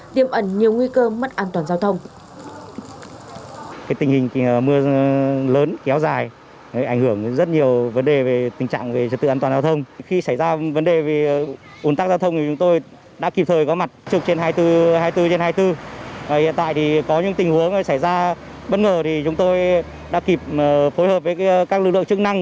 tiêm ẩn nhiều nguy cơ mất an toàn giao thông